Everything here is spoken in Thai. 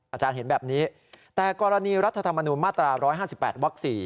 อาจารย์เห็นแบบนี้แต่กรณีรัฐธรรมนูญมาตรา๑๕๘วัก๔